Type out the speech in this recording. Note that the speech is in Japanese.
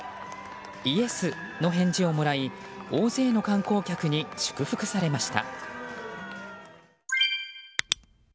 イエスの返事をもらい大勢の観光客に祝福されました。